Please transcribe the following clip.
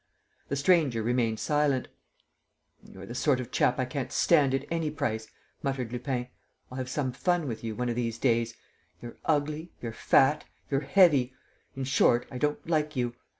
The stranger remained silent. "You're the sort of chap I can't stand at any price," muttered Lupin. "I'll have some fun with you, one of these days. You're ugly, you're fat, you're heavy; in short, I don't like you."